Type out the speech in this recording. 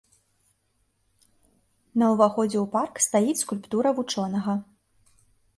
На ўваходзе ў парк стаіць скульптура вучонага.